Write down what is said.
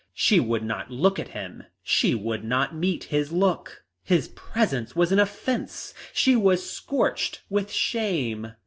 She would not look at him; she would not meet his look. His presence was an offence, she was scorched with shame.